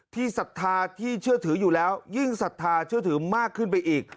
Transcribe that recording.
ศรัทธาที่เชื่อถืออยู่แล้วยิ่งศรัทธาเชื่อถือมากขึ้นไปอีก